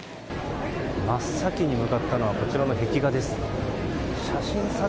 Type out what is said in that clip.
真っ先に向かったのはこちらの壁画です。